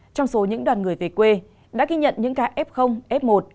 trong số những đoàn người về quê đã ghi nhận những ca f f một